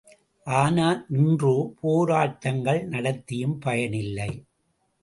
ஆனால் இன்றோ போராட்டங்கள் நடத்தியும் பயனில்லை.